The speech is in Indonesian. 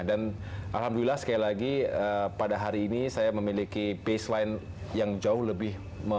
dan alhamdulillah sekali lagi pada hari ini saya memiliki baseline yang jauh lebih